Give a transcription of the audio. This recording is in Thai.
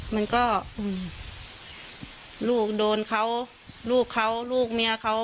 มันก็ลูกโดนเขาลูกเขาลูกเมียเขา